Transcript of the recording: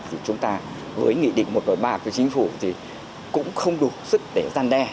thì chúng ta với nghị định một đổi ba của chính phủ thì cũng không đủ sức để gian đe